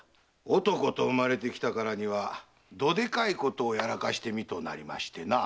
男と生まれてきたからにはどでかいことをやらかしてみとうなりましてな。